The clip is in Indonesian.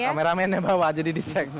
atau kameramennya bawa jadi disek